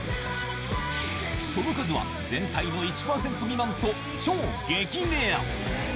その数は全体の１％未満と超激レア！